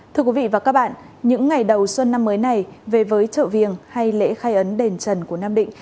thưa quý vị và các bạn những ngày đầu xuân năm mới này về với chợ viềng hay lễ khai ấn đền trần của nam định